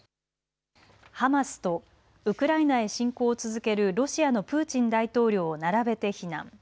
ハマスとウクライナへ侵攻を続けるロシアのプーチン大統領を並べて非難。